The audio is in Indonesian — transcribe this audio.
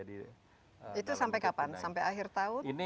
itu sampai kapan sampai akhir tahun